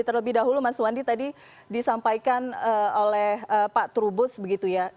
terlebih dahulu mas wandi tadi disampaikan oleh pak trubus begitu ya